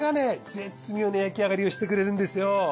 絶妙な焼き上がりをしてくれるんですよ。